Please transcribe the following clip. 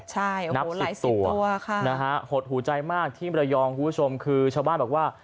ใช่หดหูใจมากที่มรยองคุณผู้ชมคือชาวบ้านบอกว่า